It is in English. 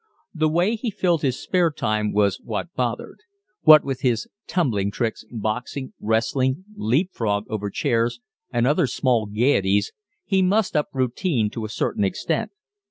The way he filled his spare time was what bothered. What with his tumbling tricks, boxing, wrestling, leap frog over chairs, and other small gaieties, he mussed up routine to a certain extent.